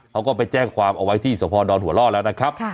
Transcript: เขาก็ไปแจ้งความเอาไว้ที่สพดอนหัวล่อแล้วนะครับ